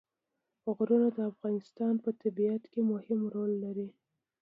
غرونه د افغانستان په طبیعت کې مهم رول لري.